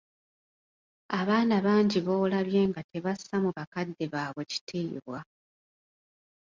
Abaana bangi bolabye nga tebassa mu bakadde baabwe kitiibwa.